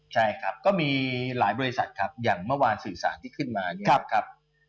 ใช่ครับก็มีหลายบริษัทครับอย่างเมื่อวานสื่อสารที่ขึ้นมาเนี่ยนะครับ